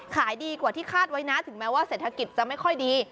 ขายดีกว่าที่คาดไว้นะถึงแม้ว่าเศรษฐกิจจะไม่ค่อยดี